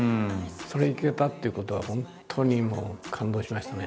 それに行けたっていうことは本当にもう感動しましたね。